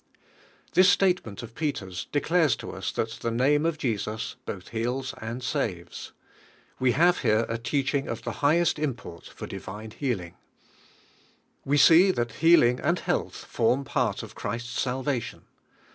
This statement of Peter's de flares to us that the jaame of Jesus both heals arid wives. We have here a teach inn of the highest import for divine heal j ti *r. . We sec that healing and health form pari of Christ's salvation.